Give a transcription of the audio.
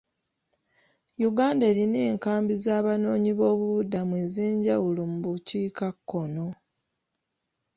Uganda erina enkambi z'abanoonyiboobubudamu ez'enjawulo mu bukkikakkono.